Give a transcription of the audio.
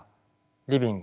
リビング？